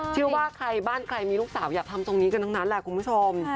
เชื่อว่าใครบ้านใครมีลูกสาวอยากทำตรงนี้กันทั้งนั้นแหละคุณผู้ชม